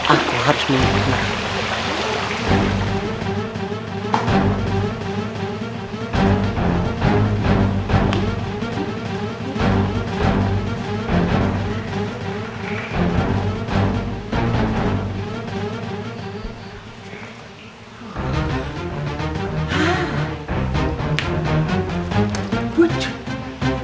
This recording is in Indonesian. aku harus menunggu mereka